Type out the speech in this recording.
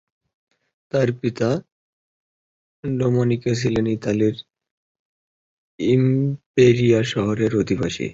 তার পিতা ডোমেনিকো ছিলেন ইতালির ইমপেরিয়া শহরের অধিবাসী।